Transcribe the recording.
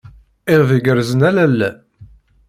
Iḍ igerrzen a lalla.